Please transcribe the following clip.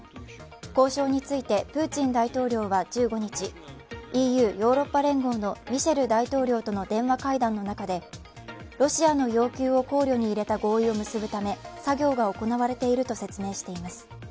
交渉についてプーチン大統領は１５日、ＥＵ＝ヨーロッパ連合のミシェル大統領との電話会談の中でロシアの要求を考慮に入れた合意を結ぶため作業が行われていると説明しています。